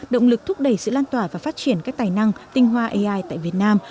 động lực thúc đẩy sự lan tỏa và phát triển các tài năng tinh hoa ai tại việt nam